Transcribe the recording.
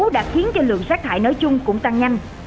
đã khiến cho lượng sát thải nói chung cũng tăng nhanh